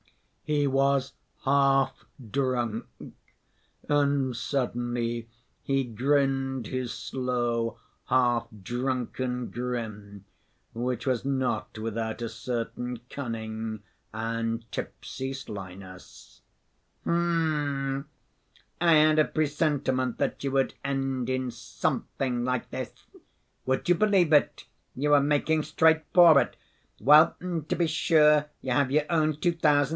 He was half drunk, and suddenly he grinned his slow half‐drunken grin, which was not without a certain cunning and tipsy slyness. "H'm!... I had a presentiment that you would end in something like this. Would you believe it? You were making straight for it. Well, to be sure you have your own two thousand.